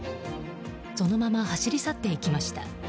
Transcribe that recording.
そのまま走り去っていきました。